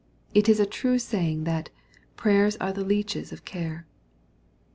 It is a true saying, that " prayers are the leeches of care."